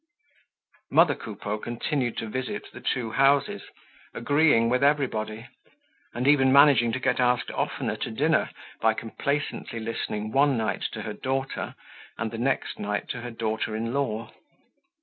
Mother Coupeau continued to visit the two houses, agreeing with everybody and even managing to get asked oftener to dinner, by complaisantly listening one night to her daughter and the next night to her daughter in law.